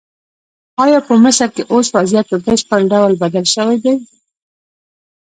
ایا په مصر کې اوس وضعیت په بشپړ ډول بدل شوی دی؟